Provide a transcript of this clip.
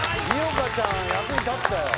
澪花ちゃん役に立ったよ